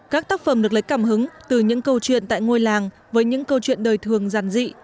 các tác phẩm được lấy cảm hứng từ những câu chuyện tại ngôi làng với những câu chuyện đời thường giản dị